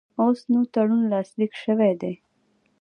اوس نوی تړون لاسلیک شوی دی.